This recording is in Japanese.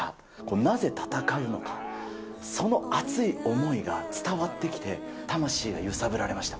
なぜ戦うのか、その熱い思いが伝わってきて、魂が揺さぶられました。